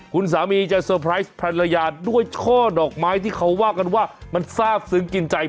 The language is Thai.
คุณสามีจะเซอร์ไพรส์ภรรยาด้วยช่อดอกไม้ที่เขาว่ากันว่ามันทราบซึ้งกินใจ